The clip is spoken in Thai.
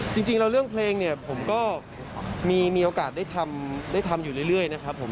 จริงแล้วเรื่องเพลงเนี่ยผมก็มีโอกาสได้ทำได้ทำอยู่เรื่อยนะครับผม